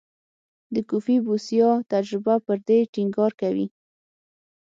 د کوفي بوسیا تجربه پر دې ټینګار کوي.